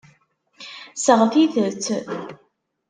Seɣtit-t.